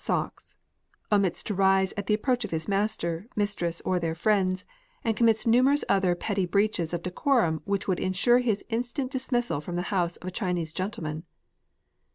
21 socks; omits to rise at the approach of his master, mistress, or their friends, and commits numerous other petty breaches of decorum which would ensure his instant dismissal from the house of a Chinese gentle man.